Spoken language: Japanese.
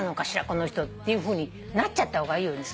この人っていうふうになっちゃった方がいいよね。